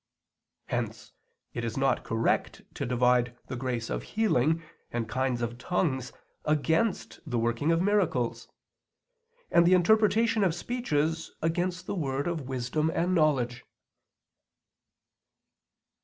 Hence it is not correct to divide the grace of healing and kinds of tongues against the working of miracles; and the interpretation of speeches against the word of wisdom and knowledge.